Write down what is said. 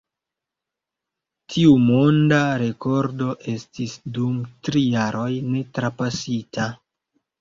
Tiu monda rekordo estis dum tri jaroj ne trapasita.